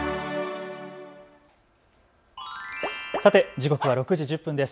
時刻は６時１０分です。